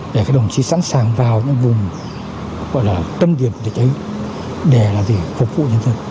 để các đồng chí sẵn sàng vào những vùng gọi là tâm điểm của địch ấy để là gì phục vụ nhân dân